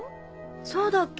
そうだっけ？